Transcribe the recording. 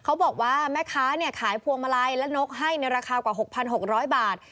เขาบอกว่าแม่ค้าขายพวงมาลัยและนกให้ในราคากว่า๖๖๐๐บาท